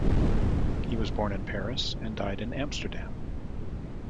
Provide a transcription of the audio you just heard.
He was born in Paris and died in Amsterdam.